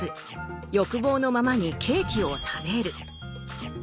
欲望のままにケーキを食べる。